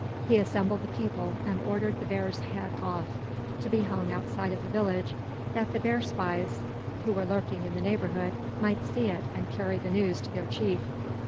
He assembled the people and ordered the bear's head off, to be hung outside of the village, that the bear spies, who were lurking in the neighborhood, might see it and carry the news to their chief.